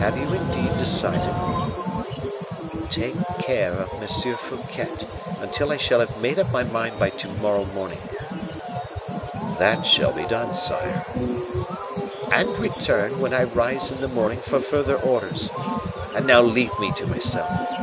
Have you indeed decided?" "Take care of M. Fouquet, until I shall have made up my mind by to morrow morning." "That shall be done, sire." "And return, when I rise in the morning, for further orders; and now leave me to myself."